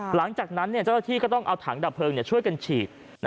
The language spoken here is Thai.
หลังจากนั้นเจ้าหน้าที่ก็ต้องเอาถังดับเพลิงช่วยกันฉีด